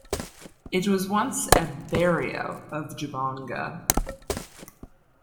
It was once a "barrio" of Jabonga.